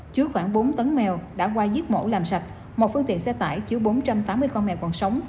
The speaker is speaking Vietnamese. chứa khoảng bốn tấn mèo đã qua giết mổ làm sạch một phương tiện xe tải chứa bốn trăm tám mươi con mèo còn sống